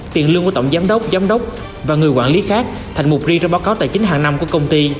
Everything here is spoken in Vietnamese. tiền lương của tổng giám đốc giám đốc và người quản lý khác